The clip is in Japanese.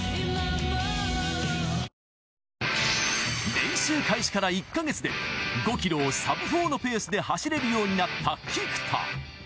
練習開始から１カ月で５キロをサブ４のペースで走れるようになった菊田。